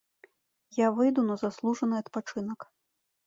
Я выйду на заслужаны адпачынак.